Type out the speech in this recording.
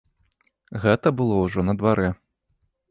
Гэта было ўжо на дварэ.